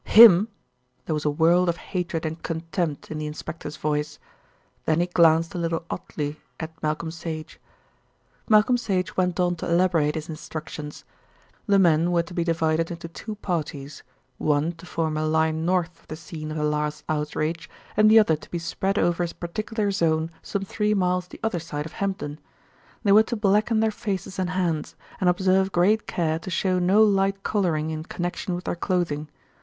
"Him!" There was a world of hatred and contempt in the inspector's voice. Then he glanced a little oddly at Malcolm Sage. Malcolm Sage went on to elaborate his instructions. The men were to be divided into two parties, one to form a line north of the scene of the last outrage, and the other to be spread over a particular zone some three miles the other side of Hempdon. They were to blacken their faces and hands, and observe great care to show no light colouring in connection with their clothing.